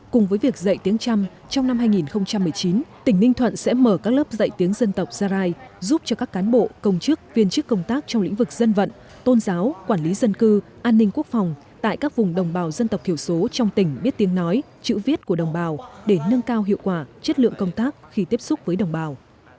cùng với việc dạy tiếng trăm trong năm hai nghìn một mươi chín tỉnh ninh thuận sẽ mở các lớp dạy tiếng dân tộc gia rai giúp cho các cán bộ công chức viên chức công tác trong lĩnh vực dân vận tôn giáo quản lý dân cư an ninh quốc phòng tại các vùng đồng bào dân tộc thiểu số trong tỉnh biết tiếng nói chữ viết của đồng bào để nâng cao hiệu quả chất lượng công tác khi tiếp xúc với đồng bào